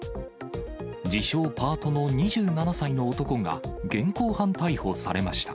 自称パートの２７歳の男が現行犯逮捕されました。